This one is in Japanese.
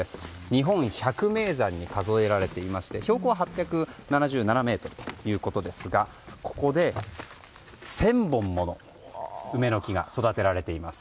日本百名山に数えられていて標高は８７７ｍということですがここで１０００本もの梅の木が育てられています。